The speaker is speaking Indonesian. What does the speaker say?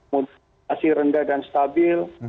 modifikasi rendah dan stabil